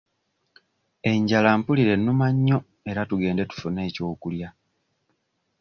Enjala mpulira ennuma nnyo era tugende tufune ekyokulya.